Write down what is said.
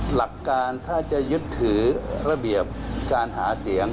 หลักการถ้าจะยึดถือระเบียบการหาเสียง